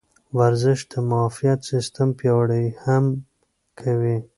ورزش د معافیت سیستم پیاوړتیا هم کوي.